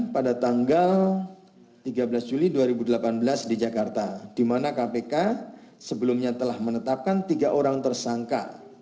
pada tanggal tiga belas juli dua ribu delapan belas di jakarta di mana kpk sebelumnya telah menetapkan tiga orang tersangka